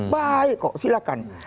baik kok silahkan